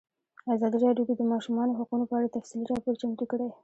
ازادي راډیو د د ماشومانو حقونه په اړه تفصیلي راپور چمتو کړی.